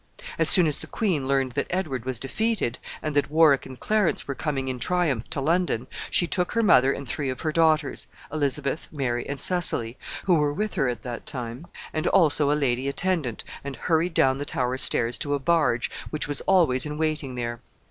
As soon as the queen learned that Edward was defeated, and that Warwick and Clarence were coming in triumph to London, she took her mother and three of her daughters Elizabeth, Mary, and Cecily who were with her at that time, and also a lady attendant, and hurried down the Tower stairs to a barge which was always in waiting there.